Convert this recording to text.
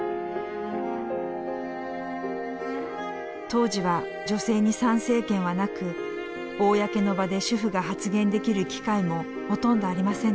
当時は女性に参政権はなく公の場で主婦が発言できる機会もほとんどありませんでした。